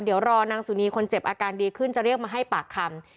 เดี๋ยวรอนางสุนีคนเจ็บอาการดีขึ้นจะเรียกมาให้ปากคำ